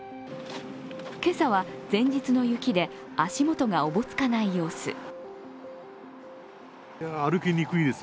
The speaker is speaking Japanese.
今朝は、前日の雪で足元がおぼつかない様子。